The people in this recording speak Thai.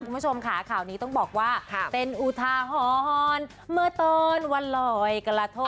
คุณผู้ชมขาวนี้ต้องบอกว่าเป็นอุทาหอนเมื่อเติ้ลวันรอยกรรทง